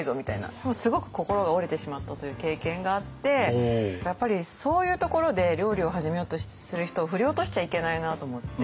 もうすごく心が折れてしまったという経験があってやっぱりそういうところで料理を始めようとする人を振り落としちゃいけないなと思って。